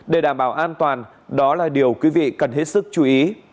để đảm bảo an toàn đó là điều quý vị cần hết sức chú ý